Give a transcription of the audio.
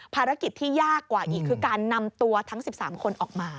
ภารกิจที่ยากกว่าอีกคือการนำตัวทั้ง๑๓คนออกมา